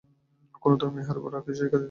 কোন ধর্মই ইহার পর আর কিছু শিক্ষা দিতে পারে না।